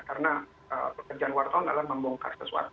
karena pekerjaan wartawan adalah membongkar sesuatu